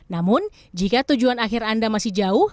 namun jika tujuan akhir anda masih jauh